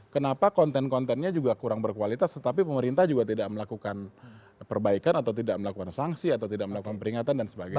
kenapa konten kontennya juga kurang berkualitas tetapi pemerintah juga tidak melakukan perbaikan atau tidak melakukan sanksi atau tidak melakukan peringatan dan sebagainya